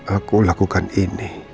aku lakukan ini